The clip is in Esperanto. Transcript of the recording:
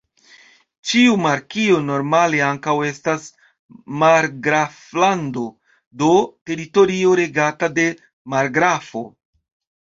Ĉiu markio normale ankaŭ estas margraflando, do, teritorio regata de margrafo.